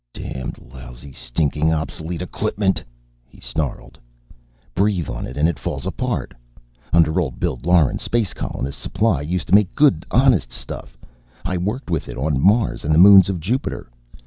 "Damned, lousy, stinkin' obsolete equipment!" he snarled. "Breathe on it and it falls apart! Under old Bill Lauren, Space Colonists' Supply used to make good, honest stuff. I worked with it on Mars and the moons of Jupiter.